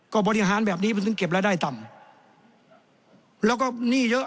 ก็บริหารแบบนี้มันถึงเก็บรายได้ต่ำแล้วก็หนี้เยอะ